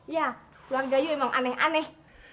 ya keluarga ibu emang aneh aneh